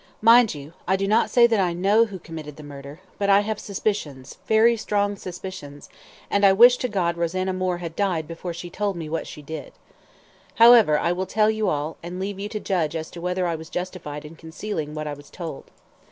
Mind you, I do not say that I know who committed the murder; but I have suspicions very strong suspicions and I wish to God Rosanna Moore had died before she told me what she did. However, I will tell you all, and leave you to judge as to whether I was justified in concealing what I was told.